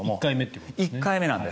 １回目なんです。